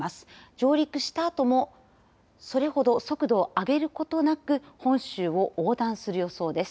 上陸したあともそれほど速度を上げることなく本州を横断する予想です。